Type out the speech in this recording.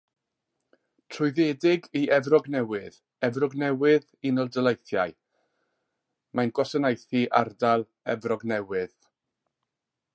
Trwyddedig i Efrog Newydd, Efrog Newydd, Unol Daleithiau, mae'n gwasanaethu ardal Efrog Newydd.